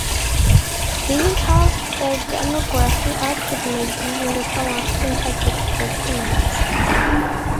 Digital steganography output may be in the form of printed documents.